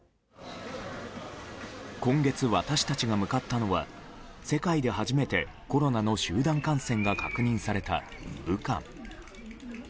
今月、私たちが向かったのは世界で初めてコロナの集団感染が確認された武漢。